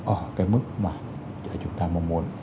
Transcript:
ở cái mức mà chúng ta mong muốn